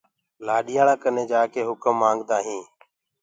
لآڏياݪآنٚ ڪني جآڪي هُڪم مآنگدآ هينٚ۔